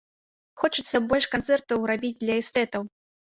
Хочацца больш канцэртаў рабіць для эстэтаў.